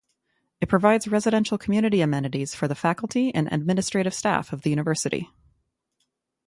It provides residential community amenities for the faculty and administrative staff of the university.